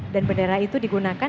dan bendera itu digunakan